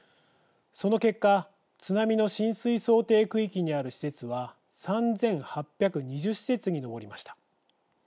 その結果津波の浸水想定区域にある施設は３８２０施設に上りました。